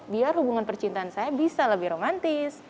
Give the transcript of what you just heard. biar hubungan percintaan saya bisa lebih romantis